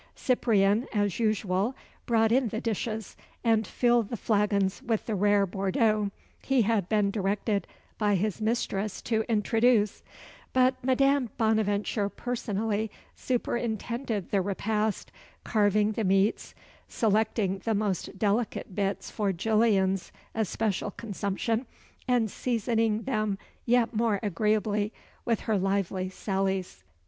Cyprien, as usual, brought in the dishes, and filled the flagons with the rare Bordeaux he had been directed by his mistress to introduce; but Madame Bonaventure personally superintended the repast, carving the meats, selecting the most delicate bits for Gillian's especial consumption, and seasoning them yet more agreeably with her lively sallies.